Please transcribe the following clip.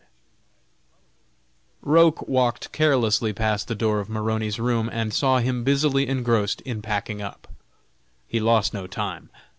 _ Roch walked carelessly past the door of Maroney's room and saw him busily engrossed in packing up. He lost no time.